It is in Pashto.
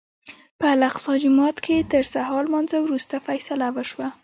په الاقصی جومات کې تر سهار لمانځه وروسته فیصله وشوه.